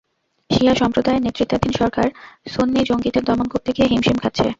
শিয়া সম্প্রদায়ের নেতৃত্বাধীন সরকার সুন্নি জঙ্গিদের দমন করতে গিয়ে হিমশিম খাচ্ছে।